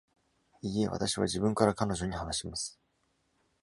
いいえ、私は自分から彼女に話します。